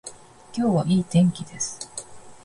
今日はいい天気です